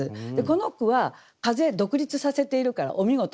この句は「風」独立させているからお見事。